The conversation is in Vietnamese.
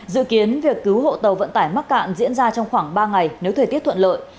dự kiến việc cứu hộ tàu vận tải mắc cạn diễn ra trong khoảng ba ngày nếu thời tiết thuận lợi